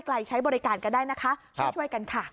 ใช้บริการก็ได้นะคะช่วยกันค่ะ